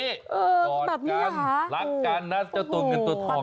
เออแบบนี้เหรอฮะจอดกันรักกันน่ะเจ้าตัวเงินตัวทองเหมือนไหม